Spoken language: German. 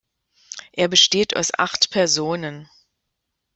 Er besteht aus acht Personen.